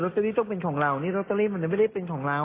เตอรี่ต้องเป็นของเรานี่ลอตเตอรี่มันจะไม่ได้เป็นของเรา